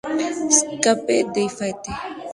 Escape The Fate